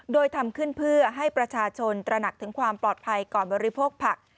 โดยทำขึ้นเพื่อให้ประชาชนตระหนักถึงความปลอดภัยก่อนบริโภคผัก